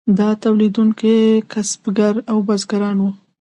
دا تولیدونکي کسبګر او بزګران وو.